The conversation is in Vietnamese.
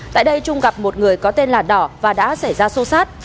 tại đây trung gặp một người có tên là đỏ và đã xảy ra xô xát